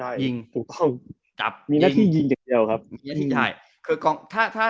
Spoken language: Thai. มีหน้าที่ยิงเดียวครับ